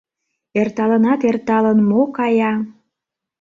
Эрталынат-эрталын мо кая?